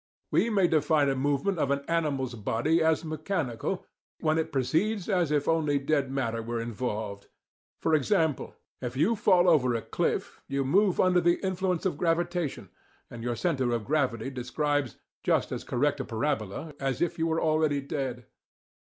We may define a movement of an animal's body as "mechanical" when it proceeds as if only dead matter were involved. For example, if you fall over a cliff, you move under the influence of gravitation, and your centre of gravity describes just as correct a parabola as if you were already dead.